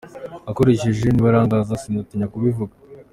akoresheje ukuri mu byukuri? Njye birambabaza sinatinya kubivuga.